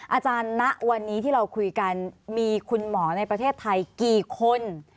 ณวันนี้ที่เราคุยกันมีคุณหมอในประเทศไทยกี่คน